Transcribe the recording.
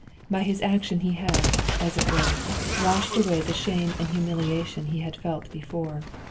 By his action he had, as it were, washed away the shame and humiliation he had felt before.